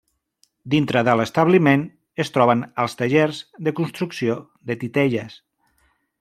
Dintre de l'establiment es troben els tallers de construcció de titelles.